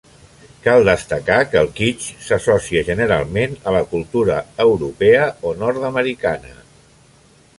Cal destacar, que el kitsch s'associa generalment a la Cultura Europea o nord-americana.